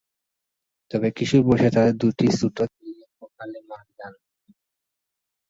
তবে কিশোর বয়সে তাদের দুই ছোট ছেলে অকালে মারা যান।